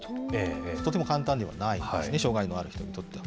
とても簡単ではないんですね、障害のある人にとっては。